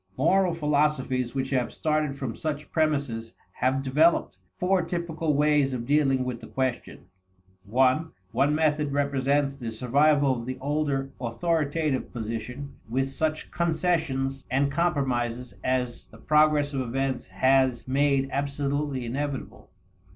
Moral philosophies which have started from such premises have developed four typical ways of dealing with the question. (i) One method represents the survival of the older authoritative position, with such concessions and compromises as the progress of events has made absolutely inevitable.